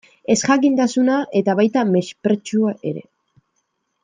Ezjakintasuna, eta baita mespretxua ere.